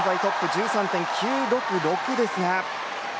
１３．９６６ですが。